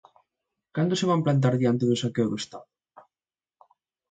¿Cando se van plantar diante do saqueo do Estado?